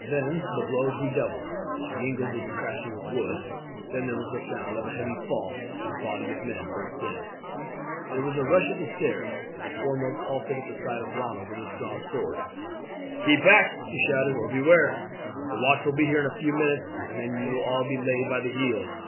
Then the blows redoubled, mingled with the crashing of wood; then there was the sound of a heavy fall, and a body of men burst in. There was a rush at the stairs, but the foremost halted at the sight of Ronald with his drawn sword. "Keep back," he shouted, "or beware! The watch will be here in a few minutes, and then you will all be laid by the heels."